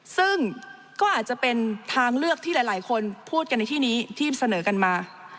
ซึ่งก็อาจจะเป็นทางเลือกที่หลายคนพูดกันในที่นี้ที่เสนอกันมา